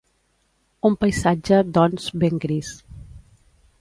Un paisatge, doncs, ben gris.